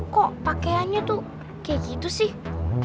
kok pakaiannya tuh kayak gitu sih